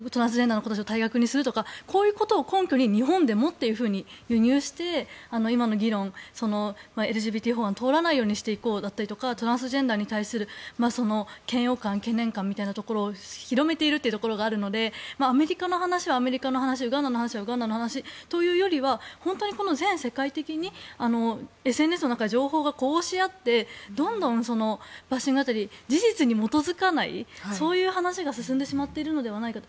特にトランスジェンダーに対するバッシングをしている人たちが何を根拠にしているかというと意外とこのアメリカのこういう先ほどの公立学校でトランスジェンダーの子たちを退学にするとかこういうことを根拠に日本でもというふうに輸入して今の議論、ＬＧＢＴ法案を通らないようにしていこうだったりとかトランスジェンダーに対する嫌悪感、懸念感みたいなところを広めているというところがあるのでアメリカの話はアメリカの話ウガンダの話はウガンダの話というよりは全世界的にＳＮＳの中で情報が呼応し合ってどんどん、バッシングだったり事実に基づかない話が進んでしまっているのではないかと。